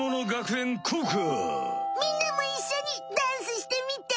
みんなもいっしょにダンスしてみて！